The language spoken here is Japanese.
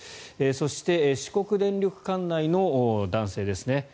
そして四国電力管内の男性ですね。